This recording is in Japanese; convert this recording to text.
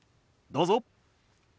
どうぞ。